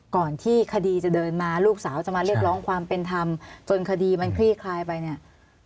ก่อนที่คดีจะเดินมาลูกสาวจะมาเรียกร้องความเป็นธรรมจนคดีมันคลี่คลายไปเนี่ย